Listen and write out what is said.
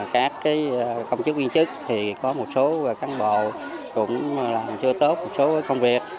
các công chức viên chức thì có một số cán bộ cũng làm chưa tốt một số công việc